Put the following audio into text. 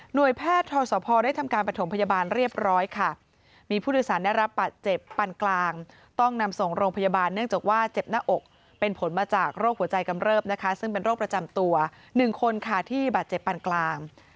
โดยแพทย์ทศพได้ทำการประถมพยาบาลเรียบร้อยค่ะมีผู้โดยสารได้รับบาดเจ็บปันกลางต้องนำส่งโรงพยาบาลเนื่องจากว่าเจ็บหน้าอกเป็นผลมาจากโรคหัวใจกำเริบนะคะซึ่งเป็นโรคประจำตัว๑คนค่ะที่บาดเจ็บปันกลาง